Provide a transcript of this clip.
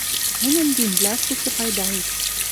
Тӹньӹн вимвлӓштӹшӹ пайдаэт